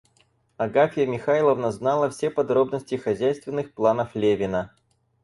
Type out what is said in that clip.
Агафья Михайловна знала все подробности хозяйственных планов Левина.